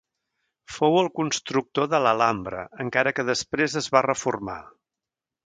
Fou el constructor de l'Alhambra encara que després es va reformar.